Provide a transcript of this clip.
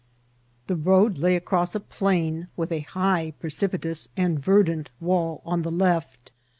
The road lay across a plain, with a high, precipitousi and verdant wall on the left.